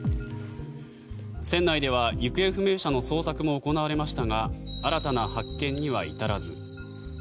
船内では行方不明者の捜索も行われましたが新たな発見には至らず。